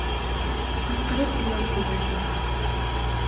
Ҡысҡырып илап ебәрҙем.